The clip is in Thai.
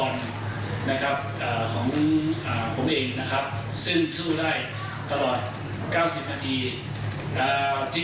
ที่เราเล่นกับสาวิดีอีกเลยครับ